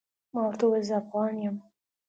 ما ورته وويل زه افغان يم.